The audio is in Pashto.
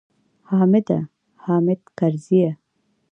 حامده! حامد کرزیه!